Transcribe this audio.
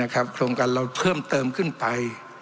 โครงการเราเพิ่มเติมขึ้นไป